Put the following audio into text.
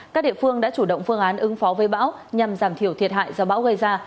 các địa phương đã chủ động phương án ứng phó với bão nhằm giảm thiểu thiệt hại do bão gây ra